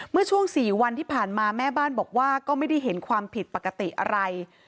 เมื่อช่วง๔วันที่ผ่านมาแม่บ้านบอกว่าก็ไม่ได้เห็นความผิดปกติอะไร